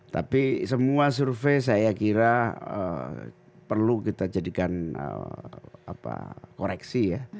tapi semua survei saya kira perlu kita jadikan koreksi ya